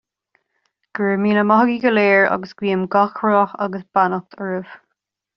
Go raibh míle maith agaibh go léir agus guím gach rath agus beannacht oraibh.